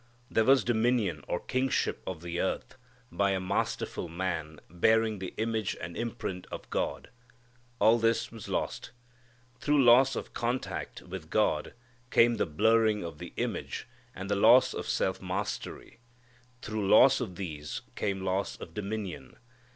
There was dominion or kingship of the earth by a masterful man bearing the image and imprint of God. All this was lost. Through loss of contact with God came the blurring of the image and the loss of self mastery. Through loss of these came loss of dominion.